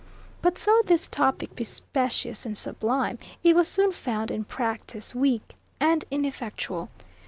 But though this topic be specious and sublime, it was soon found in practice weak and ineffectual.